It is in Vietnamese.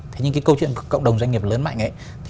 thế nhưng cái câu chuyện của cộng đồng doanh nghiệp lớn mạnh ấy